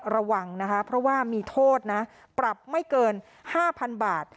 ระวังนะคะเพราะว่ามีโทษนะปรับไม่เกิน๕๐๐๐บาท